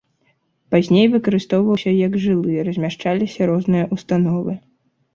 Пазней выкарыстоўваўся як жылы, размяшчаліся розныя установы.